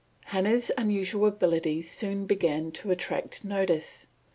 Hannah's unusual abilities soon began to attract notice.